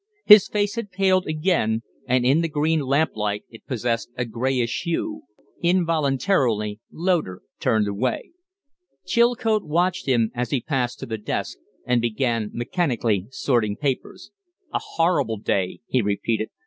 His face had paled again, and in the green lamplight it possessed a grayish hue. Involuntarily Loder turned away. Chilcote watched him as he passed to the desk and began mechanically sorting papers. "A horrible day!" he repeated.